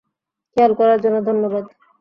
খেয়াল করার জন্য ধন্যবাদ।